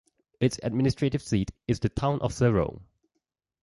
Its administrative seat is the town of Serow.